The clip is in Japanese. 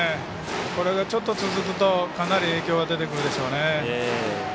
これがちょっと続くとかなり影響が出てくるでしょうね。